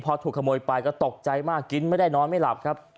พอถูกขโมยไปก็ตกใจมากกินไม่ได้นอนไม่หลับครับ